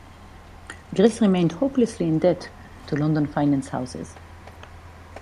Greece remained hopelessly in debt to London finance houses.